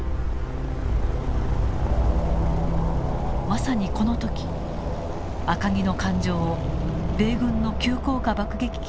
まさにこの時赤城の艦上を米軍の急降下爆撃機が襲った。